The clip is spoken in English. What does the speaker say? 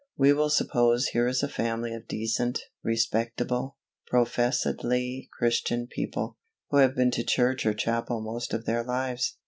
We will suppose here is a family of decent, respectable, professedly Christian people, who have been to church or chapel most of their lives.